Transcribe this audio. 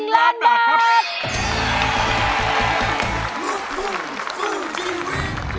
๑ล้านบาทครับ